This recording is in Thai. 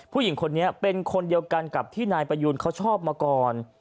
ผู้หญิงคนนี้เป็นคนเดียวกันกับที่นายประยูนเขาชอบมาก่อน